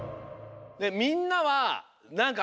みんなはなんかある？